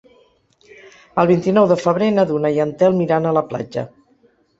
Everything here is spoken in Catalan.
El vint-i-nou de febrer na Duna i en Telm iran a la platja.